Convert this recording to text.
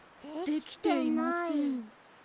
できていません。